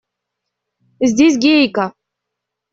Здесь Гейка!